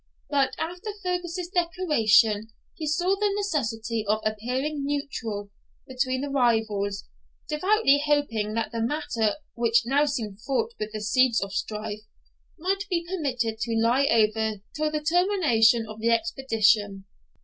But after Fergus's declaration he saw the necessity of appearing neutral between the rivals, devoutly hoping that the matter, which now seemed fraught with the seeds of strife, might be permitted to lie over till the termination of the expedition.